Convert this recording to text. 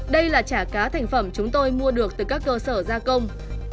đây là chả cá thành phẩm chúng tôi mua được từ các cơ sở gia công